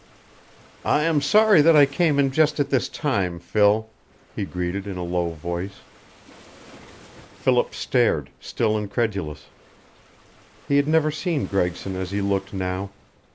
"I am sorry that I came in just at this time, Phil," he greeted, in a low voice. Philip stared, still incredulous. He had never seen Gregson as he looked now.